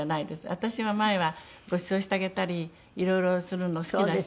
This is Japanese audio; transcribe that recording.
私は前はごちそうしてあげたりいろいろするの好きな人でした。